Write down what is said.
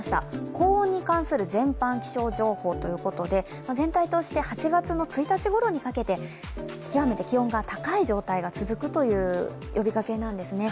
高温に関する全般気象情報ということで全体として８月の１日ごろにかけて極めて気温が高い状況が続くという呼びかけなんですね。